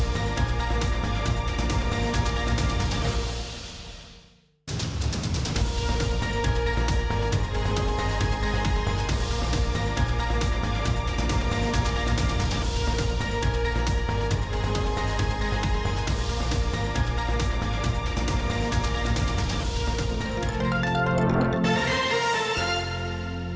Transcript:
โปรดติดตามตอนต่อไป